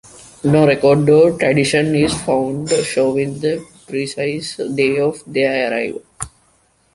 No record or tradition is found showing the precise day of their arrival.